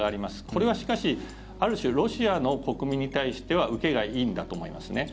これはしかし、ある種ロシアの国民に対しては受けがいいんだと思いますね。